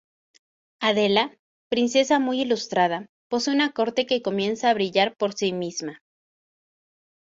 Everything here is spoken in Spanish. Adela, princesa muy ilustrada, posee una corte que comienza a brillar por sí misma.